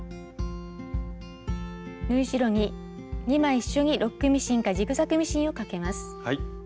縫い代に２枚一緒にロックミシンかジグザグミシンをかけます。